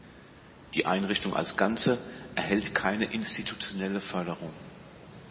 Die Einrichtung als Ganze erhält keine institutionelle Förderung.